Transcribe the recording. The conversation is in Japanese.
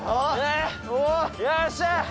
よっしゃ！